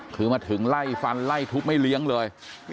คือมาถึงไล่ฟันไล่ทุบไม่เลี้ยงเลย